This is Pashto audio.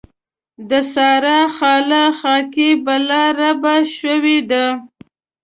د سارا خاله خاکي بلاربه شوې ده.